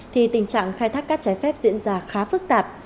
thì tình trạng khai thác cát trái phép diễn ra khá phức tạp